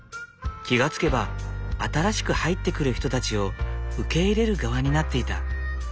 気が付けば新しく入ってくる人たちを受け入れる側になっていた。